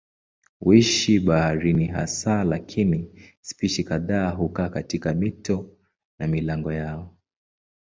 Huishi baharini hasa lakini spishi kadhaa hukaa katika mito na milango yao.